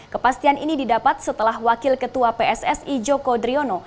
kepastian ini didapat setelah wakil ketua pssi joko driono